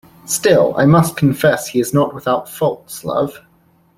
Still, I must confess he is not without faults, love.